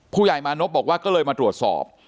ผู้ใหญ่มานพบอกว่าก็เลยมาตรวจสอบ